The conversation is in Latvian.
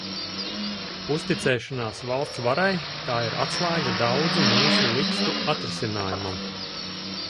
Uzticēšanās valsts varai – tā ir atslēga daudzu mūsu likstu atrisinājumam.